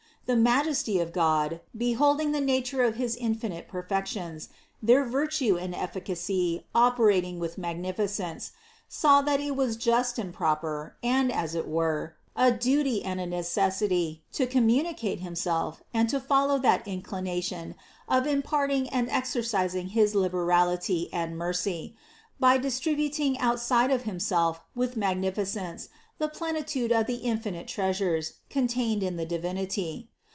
The Majesty of God, beholding the nature of his infinite perfections, their vir tue and efficacy operating with magnificence, saw that it was just and most proper, and, as it were, a duty and a necessity, to communicate Himself and to follow that inclination of imparting and exercising his liberality and mercy, by distributing outside of Himself with magnifi cence the plenitude of the infinite treasures, contained in the Divinity.